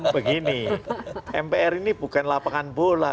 begini mpr ini bukan lapangan bola